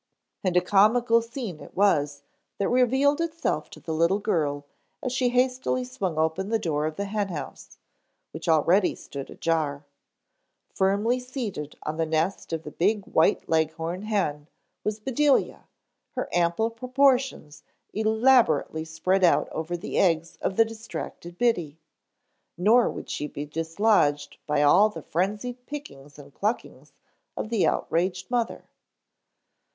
And a comical scene it was that revealed itself to the little girl as she hastily swung open the door of the hen house, which already stood ajar. Firmly seated on the nest of the big White Leghorn hen was Bedelia, her ample proportions elaborately spread out over the eggs of the distracted biddy; nor would she be dislodged by all the frenzied pickings and cluckings of the outraged mother.